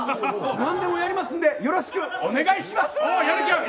なんでもやりますのでよろしくお願いします！